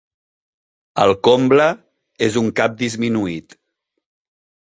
El comble és un cap disminuït.